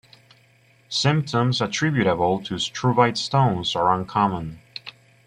Symptoms attributable to struvite stones are uncommon.